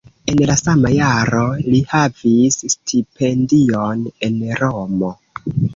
En la sama jaro li havis stipendion en Romo.